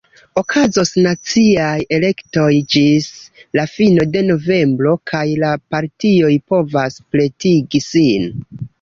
Okazos naciaj elektoj ĝis la fino de novembro, kaj la partioj provas pretigi sin.